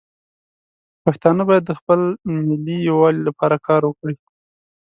پښتانه باید د خپل ملي یووالي لپاره کار وکړي.